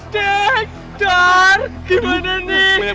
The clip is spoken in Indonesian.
dek dar gimana nih